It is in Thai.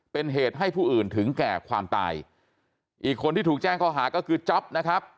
เป็นเหตุให้ผู้อื่นถึงแก่ความตายอีกคนที่ถูกแจ้งข้อหาก็คือจ๊อปนะครับ